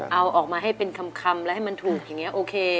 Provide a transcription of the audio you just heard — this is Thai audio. เอาออกมาให้เป็นคำและให้มันถูก